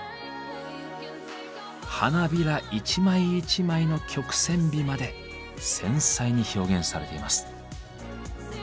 花びら一枚一枚の曲線美まで繊細に表現されています。